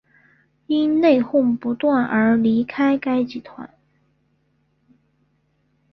因内哄不断而离开该集团。